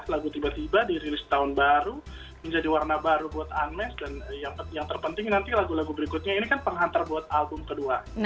lagu tiba tiba dirilis tahun baru menjadi warna baru buat unmes dan yang terpenting nanti lagu lagu berikutnya ini kan penghantar buat album kedua